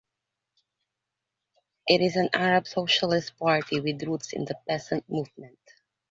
It is an Arab socialist party, with roots in the peasant movement.